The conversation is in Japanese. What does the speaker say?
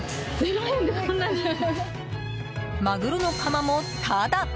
マグロのカマもタダ。